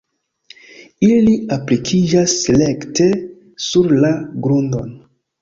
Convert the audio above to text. Ili aplikiĝas rekte sur la grundon.